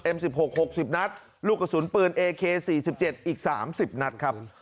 เอ็มสิบหกหกสิบนัดลูกกระสุนปืนเอเคสี่สิบเจ็ดอีกสามสิบนัดครับ